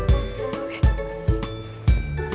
bumbo bang yang mau kesini